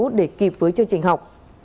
mưa lũ để kịp với chương trình học